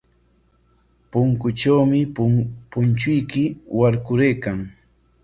Punkutrawmi punchuyki warkaraykan.